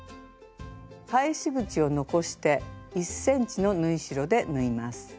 返し口を残して１ｃｍの縫い代で縫います。